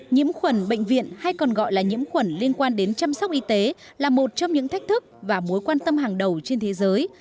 nhiễm khuẩn bệnh viện hay còn gọi là nhiễm khuẩn liên quan đến chăm sóc y tế là một trong những thách thức và mối quan tâm hàng đầu trên thế giới